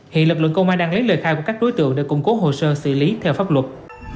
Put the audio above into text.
hiện lực lượng công an đang lấy lời khai của các đối tượng để củng cố hồ sơ xử lý theo pháp luật